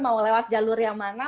mau lewat jalur yang mana